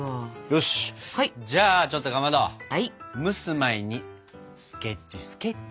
よしじゃあちょっとかまど蒸す前にスケッチスケッチ。